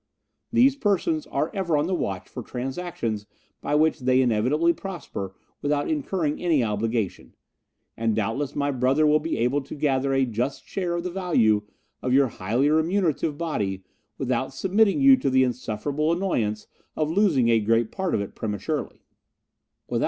These persons are ever on the watch for transactions by which they inevitably prosper without incurring any obligation, and doubtless my brother will be able to gather a just share of the value of your highly remunerative body without submitting you to the insufferable annoyance of losing a great part of it prematurely."